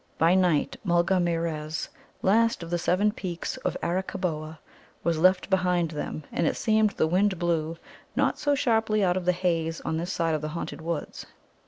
By night Mulgarmeerez, last of the seven peaks of Arakkaboa, was left behind them, and it seemed the wind blew not so sharply out of the haze on this side of the haunted woods.